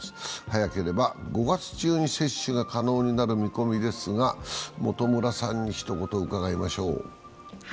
早ければ５月中に接種が可能になる見込みですが、元村さんにひと言伺いましょう。